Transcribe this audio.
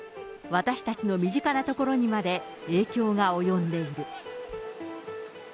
私たちの身近な所にまで影響が及んでいる。